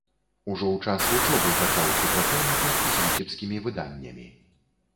Ужо ў час вучобы пачаў супрацоўнічаць з віцебскімі выданнямі.